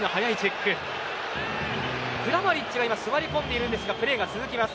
クラマリッチが座り込んでいるんですがプレーが続きます。